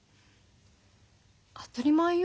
当たり前よ。